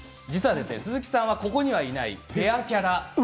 鈴木さんはここにいないレアキャラなんです。